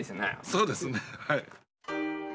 そうですねはい。